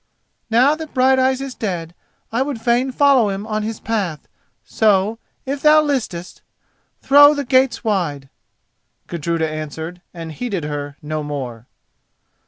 "Now that Brighteyes is dead, I would fain follow on his path: so, if thou listest, throw the gates wide," Gudruda answered, and heeded her no more.